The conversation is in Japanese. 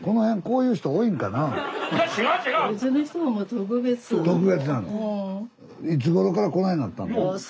特別なの？